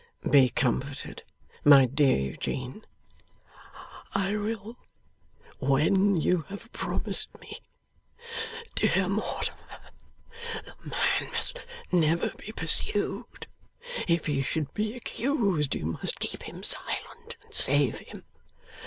'Be comforted, my dear Eugene.' 'I will, when you have promised me. Dear Mortimer, the man must never be pursued. If he should be accused, you must keep him silent and save him.